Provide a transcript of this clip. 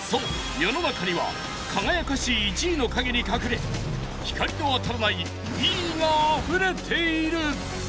世の中には輝かしい１位の陰に隠れ光の当たらない２位があふれている！